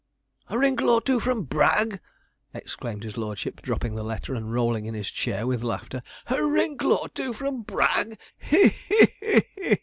A wrinkle or two from Bragg! 'exclaimed his lordship, dropping the letter and rolling in his chair with laughter. 'A wrinkle or two from Bragg! he he he he!